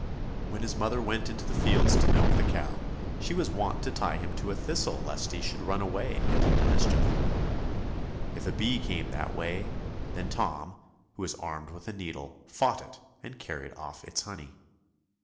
When his mother went into the fields to milk the cow, then she was wont to tie him to a thistle lest he should run away and get into mischief. If a bee came that way, then Tom, who was armed with a needle, fought it and carried off its honey.